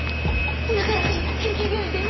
中原くん救急病院に電話！